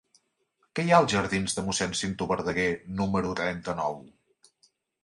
Què hi ha als jardins de Mossèn Cinto Verdaguer número trenta-nou?